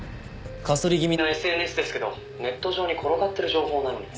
過疎り気味のＳＮＳですけどネット上に転がってる情報なのに。